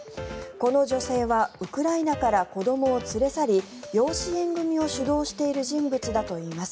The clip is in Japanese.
この女性はウクライナから子どもを連れ去り養子縁組を主導している人物だといいます。